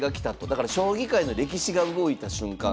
だから将棋界の歴史が動いた瞬間。